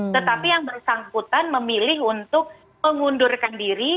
tetapi yang bersangkutan memilih untuk mengundurkan diri